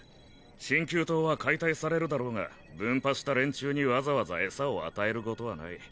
心求党は解体されるだろうが分派した連中にわざわざエサを与えることはない。